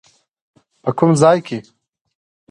په کوم ځای کې؟